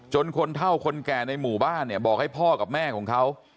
คนเท่าคนแก่ในหมู่บ้านเนี่ยบอกให้พ่อกับแม่ของเขา